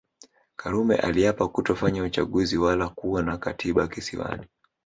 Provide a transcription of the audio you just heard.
Karume aliapa kutofanya uchaguzi wala kuwa na Katiba Kisiwani